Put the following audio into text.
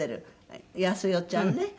容代ちゃんね。